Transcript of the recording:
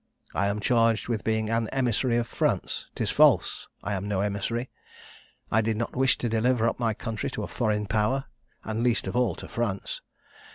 "I am charged with being an emissary of France: 'tis false! I am no emissary I did not wish to deliver up my country to a foreign power, and least of all, to France.